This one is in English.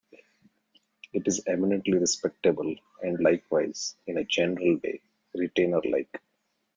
It is eminently respectable, and likewise, in a general way, retainer-like.